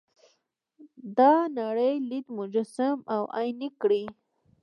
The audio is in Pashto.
دا نړۍ لید مجسم او عیني کړي.